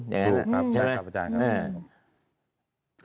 ถูกครับใช่ครับอาจารย์ครับ